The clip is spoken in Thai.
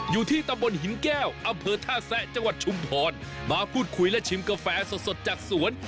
อยู่ที่ตำบลหินแก้วอำเภอท่าแซะจังหวัดชุมพรมาพูดคุยและชิมกาแฟสดจากสวน